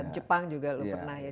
jepang juga lu pernah ya